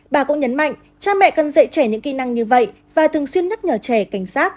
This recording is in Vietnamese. bà cũng nhấn mạnh cha mẹ cần dạy trẻ những kỹ năng như vậy và thường xuyên nhắc nhở trẻ cảnh sát